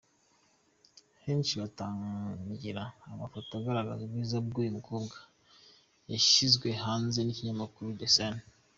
Benshi batangariye amafoto agaragaza ubwiza bw’uyu mukobwa yashyizwe hanze n’ikinyamakuru The Sun.